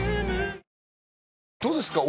どうですか？